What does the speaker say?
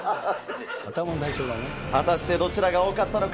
果たしてどちらが多かったのか。